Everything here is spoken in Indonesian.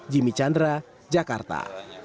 jimmy chandra jakarta